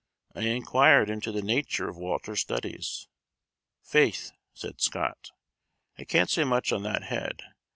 I inquired into the nature of Walter's studies. "Faith," said Scott, "I can't say much on that head.